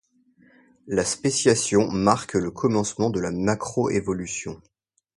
La spéciation marque le commencement de la macroévolution.